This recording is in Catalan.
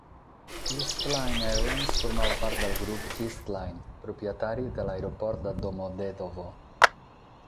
East Line Airlines formava part del grup East Line, propietari de l'aeroport de Domodédovo.